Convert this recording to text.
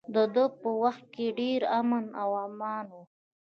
د ده په وخت کې ډیر امن و امان و.